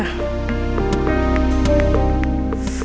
waktu minta dilepas jaketnya